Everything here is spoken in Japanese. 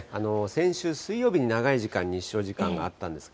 先週水曜日に長い時間、日照時間があったんです。